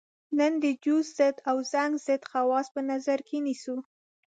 نن د جوش ضد او زنګ ضد خواص په نظر کې نیسو.